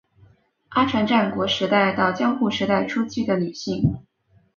阿船战国时代到江户时代初期的女性。